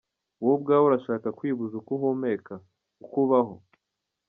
Wowe ubwawe urashaka kwibuza uko uhumeka, uko ubaho.